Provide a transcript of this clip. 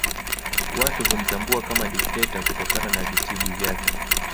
Watu humtambua kama dikteta kutokana na vitibwi vyake